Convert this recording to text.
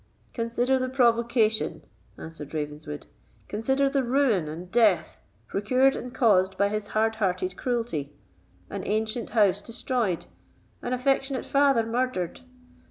"Consider the provocation," answered Ravenswood—"consider the ruin and death procured and caused by his hard hearted cruelty—an ancient house destroyed, an affectionate father murdered!